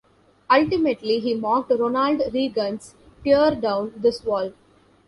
Ultimately, he mocked Ronald Reagan's Tear down this wall!